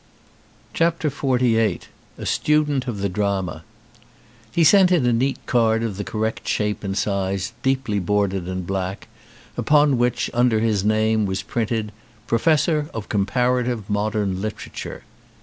187 XLVIII A STUDENT OF THE DRAMA HE sent in a neat card of the correct shape and size, deeply bordered in black, upon which under his name was printed Professor of Comparative Modern Literature.